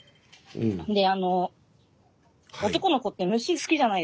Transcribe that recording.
であの男の子って虫好きじゃないですか。